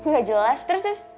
gak jelas terus terus